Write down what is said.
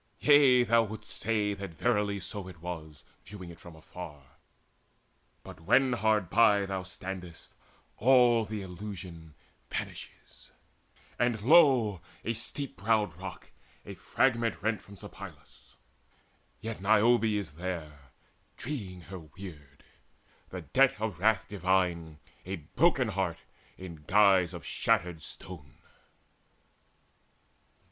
Yea, thou wouldst say that verily so it was, Viewing it from afar; but when hard by Thou standest, all the illusion vanishes; And lo, a steep browed rock, a fragment rent From Sipylus yet Niobe is there, Dreeing her weird, the debt of wrath divine, A broken heart in guise of shattered stone.